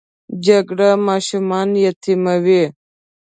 جګړه ماشومان یتیموي